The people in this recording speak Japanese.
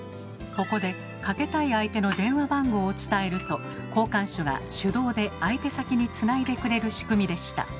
ここでかけたい相手の電話番号を伝えると交換手が手動で相手先につないでくれる仕組みでした。